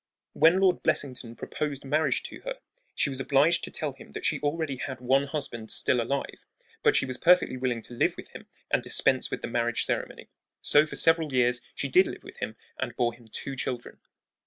When Lord Blessington proposed marriage to her she was obliged to tell him that she already had one husband still alive, but she was perfectly willing to live with him and dispense with the marriage ceremony. So for several years she did live with him and bore him two children.